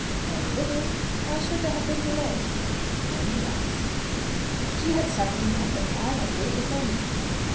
"Very little. Why should there have been delay?" "I only ask." "She had suffered enough, and I had waited long enough."